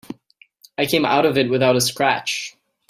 I came out of it without a scratch.